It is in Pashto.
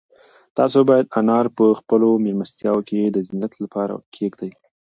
تاسو باید انار په خپلو مېلمستیاوو کې د زینت لپاره کېږدئ.